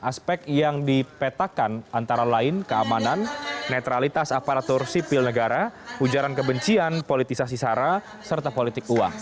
aspek yang dipetakan antara lain keamanan netralitas aparatur sipil negara ujaran kebencian politisasi sara serta politik uang